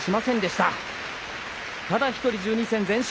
ただ一人１２戦全勝。